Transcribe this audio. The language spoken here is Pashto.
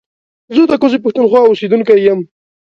زه د کوزې پښتونخوا اوسېدونکی يم